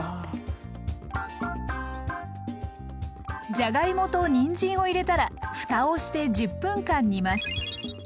じゃがいもとにんじんを入れたらふたをして１０分間煮ます。